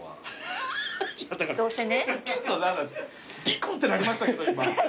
びくってなりましたけど今。